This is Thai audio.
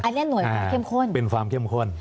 อันนี้หน่วยความเข้มข้นเป็นความเข้มข้น